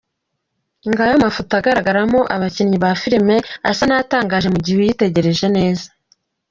Ngaya amafoto agaragaramo abakinnyi ba filime asa natangaje mu gihe uyitegereje neza.